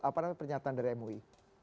apa namanya pernyataan dari mui